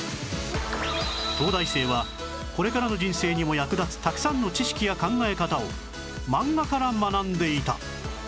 東大生はこれからの人生にも役立つたくさんの知識や考え方を漫画から学んでいた！